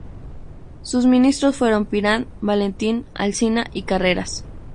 Sus ministros fueron Pirán, Valentín Alsina y Carreras.